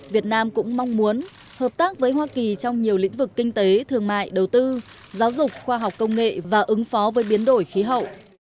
việt nam cũng mong muốn hợp tác với hoa kỳ trong nhiều lĩnh vực kinh tế thương mại đầu tư giáo dục khoa học công nghệ và ứng phó với biến đổi khí hậu